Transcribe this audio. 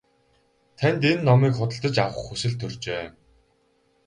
Танд энэ номыг худалдаж авах хүсэл төржээ.